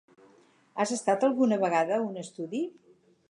Has estat alguna vegada a un estudi?